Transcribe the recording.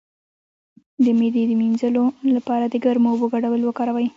د معدې د مینځلو لپاره د ګرمو اوبو ګډول وکاروئ